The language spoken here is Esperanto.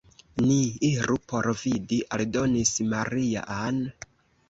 Ni iru por vidi», aldonis Maria-Ann.